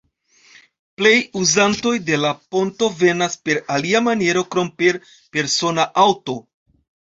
Plej uzantoj de la ponto venas per alia maniero krom per persona aŭto.